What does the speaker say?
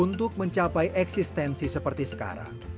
untuk mencapai eksistensi seperti sekarang